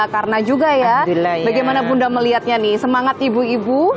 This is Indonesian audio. karena juga ya bagaimana bunda melihatnya nih semangat ibu ibu